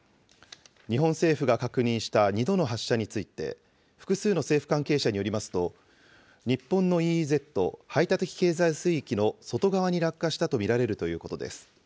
日本政府が確認した２度の発射について、複数の政府関係者によりますと、日本のＥＥＺ・排他的経済水域の外側に落下したと見られるということです。